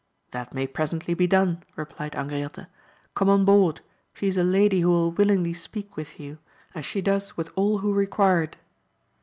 That may presently be done, replied Angriote; come on board; she is a lady who will willingly speak with you, as she does with all who re quire it.